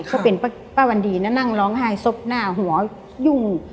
เขาเป็นป้าวันดีนะนั่งร้องไห้ซบหน้าหัวยุ่ง